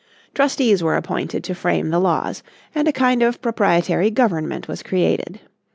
Trustees were appointed to frame the laws, and a kind of proprietory government was created.